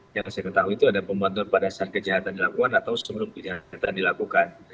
yang saya ketahui itu ada pembantuan pada saat kejahatan dilakukan atau sebelum kejahatan dilakukan